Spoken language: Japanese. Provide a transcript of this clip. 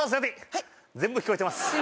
はい全部聞こえてます